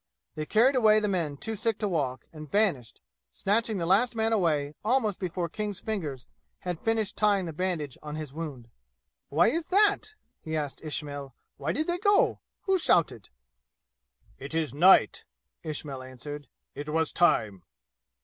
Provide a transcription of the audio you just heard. They carried away the men too sick to walk and vanished, snatching the last man away almost before King's fingers had finished tying the bandage on his wound. "Why is that?" he asked Ismail. "Why did they go? Who shouted?" "It is night," Ismail answered. "It was time."